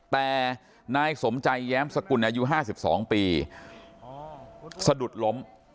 แต่นายสมใจแย้มสกุลอายุ๕๒ปีสะดุดล้ม